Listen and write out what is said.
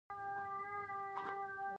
دا ائ ټي ټیم سیستمونه تازه کوي.